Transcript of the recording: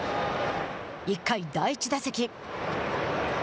１回、第１打席。